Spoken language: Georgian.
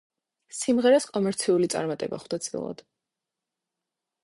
სიმღერას კომერციული წარმატება ხვდა წილად.